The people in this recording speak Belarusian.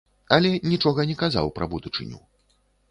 Але нічога не казаў пра будучыню.